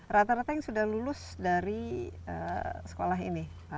rata rata yang sudah lulus dari sekolah ini